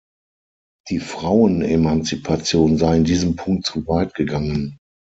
Die Frauenemanzipation sei in diesem Punkt „zu weit gegangen“.